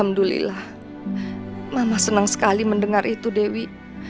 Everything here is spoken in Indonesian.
alhamdulillah mama senang sekali mendengar itu dewi